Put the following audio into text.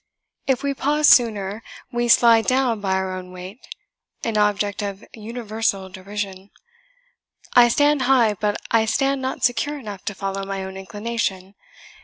If we pause sooner, we slide down by our own weight, an object of universal derision. I stand high, but I stand not secure enough to follow my own inclination.